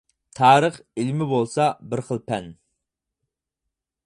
تارىخ ئىلمى بولسا بىر خىل پەن.